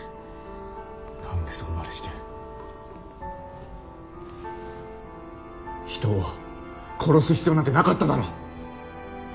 なんでそこまでして人を殺す必要なんてなかっただろ。